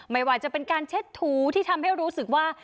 ไม่ว่าจะเป็นการเช็ดถูที่ทำให้รู้สึกว่า